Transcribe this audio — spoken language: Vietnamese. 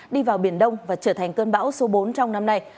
đi vào biển đông và trở thành cơn bão số bốn trong năm nay